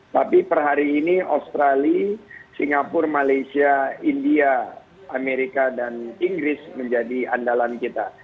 tapi per hari ini australia singapura malaysia india amerika dan inggris menjadi andalan kita